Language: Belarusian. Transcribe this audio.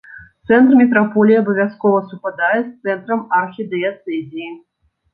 Цэнтр мітраполіі абавязкова супадае з цэнтрам архідыяцэзіі.